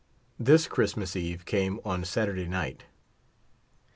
This Christmas eve came on Saturday night.